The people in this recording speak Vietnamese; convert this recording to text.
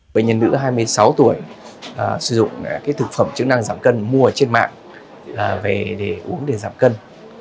bệnh nhân nữ hai mươi sáu tuổi sử dụng thực phẩm chức năng giảm cân mua trên mạng về để uống để giảm cân